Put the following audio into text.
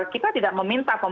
kita tidak meminta pemerintah